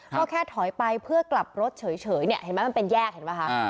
ก็แค่ถอยไปเพื่อกลับรถเฉยเนี่ยเห็นไหมมันเป็นแยกเห็นไหมคะ